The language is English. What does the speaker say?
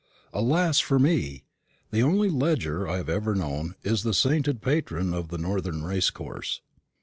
Alas for me! the only ledger I have ever known is the sainted patron of the northern racecourse.